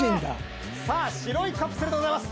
さあ、白いカプセルでございます。